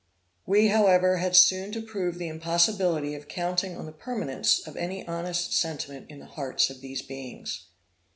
We, however, had soon to prove the impossibility of counting on the permanence of any honest sentiment in the hearts of these beings.